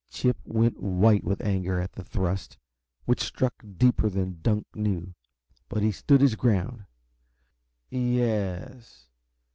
Chip went white with anger at the thrust, which struck deeper than Dunk knew. But he stood his ground. "Ye es?